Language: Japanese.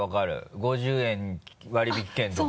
５０円割引券とかね。